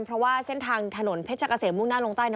เพราะว่าเส้นทางถนนเพชรกะเสมมุ่งหน้าลงใต้